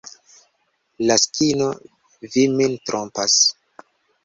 Laskino, vi min trompas.